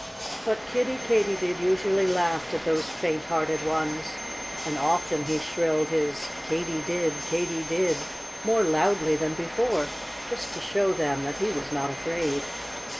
But Kiddie Katydid usually laughed at those faint hearted ones; and often he shrilled his Katy did, Katy did, more loudly than before, just to show them that he was not afraid.